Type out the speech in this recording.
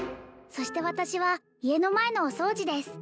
そして私は家の前のお掃除です